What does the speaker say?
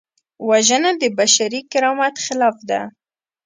وژنه د بشري کرامت خلاف ده